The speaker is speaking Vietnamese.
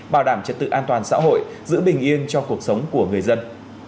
bảo đảm trật tự an toàn xã hội giữ bình yên cho cuộc sống của người dân